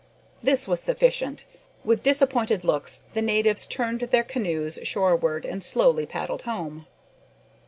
This was sufficient. With disappointed looks the natives turned their canoes shoreward and slowly paddled home.